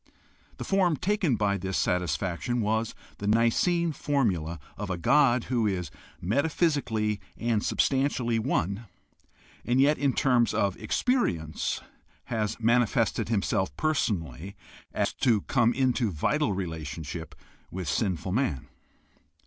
The form taken by this satisfaction was the Nicene formula of a God who is meta physically and substantially one and yet in terms of experi ence has manifested himself personally so as to come into vital relationship with sinful man.